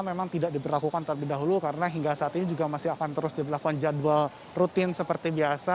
saya rasa ini akan dilakukan lebih dahulu karena hingga saat ini juga masih akan terus dilakukan jadwal rutin seperti biasa